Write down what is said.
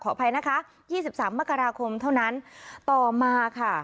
ขออภัยนะคะยี่สิบสามมกราคมเท่านั้นต่อมาค่ะ